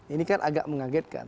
ini kan agak mengagetkan